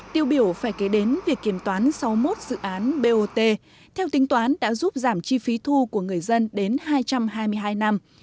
tiêu biểu phải kế đến việc kiểm toán sáu mươi một dự án bot theo tính toán đã giúp giảm chi phí thu của người dân đến hai trăm hai mươi hai năm